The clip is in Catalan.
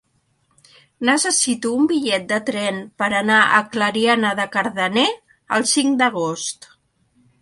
Necessito un bitllet de tren per anar a Clariana de Cardener el cinc d'agost.